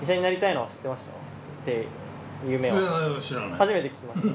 初めて聞きました？